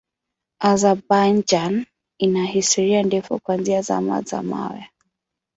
Azerbaijan ina historia ndefu kuanzia Zama za Mawe.